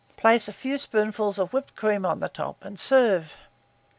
Place a few spoonfuls of whipped cream on the top, and serve.